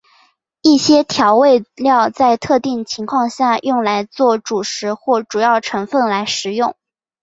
一些调味料在特定情况下用来作主食或主要成分来食用。